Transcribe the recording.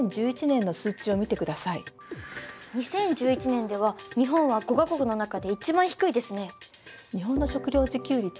２０１１年では日本は５か国の中で一番低いですね。